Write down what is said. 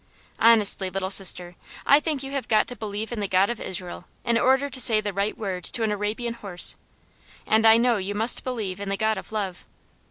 Honestly, Little Sister, I think you have got to believe in the God of Israel, in order to say the right word to an Arabian horse; and I know you must believe in the God of love.